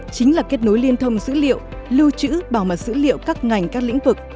chính là kết nối liên thông dữ liệu lưu trữ bảo mật dữ liệu các ngành các lĩnh vực